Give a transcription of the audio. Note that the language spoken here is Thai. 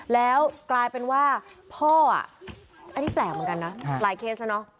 แล้วกลายเป็นว่าพ่ออันนี้แปลกเหมือนกันนะหลายเคสแล้วเนอะ